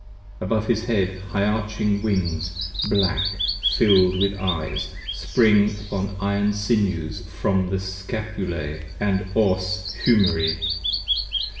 Above his Head high arching Wings, black, fill'd with Eyes, Spring upon iron sinews from the Scapulas & Os Humeri.